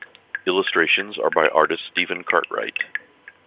Illustrations are by artist Stephen Cartwright.